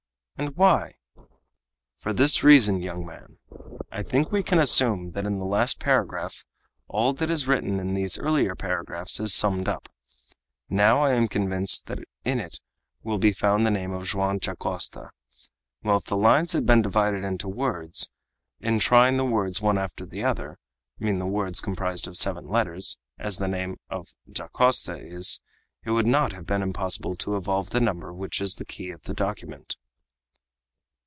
"And why?" "For this reason, young man. I think we can assume that in the last paragraph all that is written in these earlier paragraphs is summed up. Now I am convinced that in it will be found the name of Joam Dacosta. Well, if the lines had been divided into words, in trying the words one after the other I mean the words composed of seven letters, as the name of Dacosta is it would not have been impossible to evolve the number which is the key of the document."